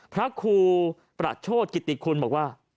พระครูประโชธกิติคุณบอกว่า